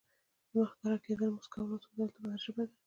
د مخ ښکاره کېدل، مسکا او لاس اوږدول د بدن ژبه ده.